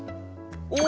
お！